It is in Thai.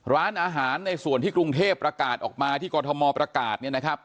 ร้านอาหารในส่วนที่กรุงเทพประกาศออกมาที่กรทมประกาศเนี่ยนะครับ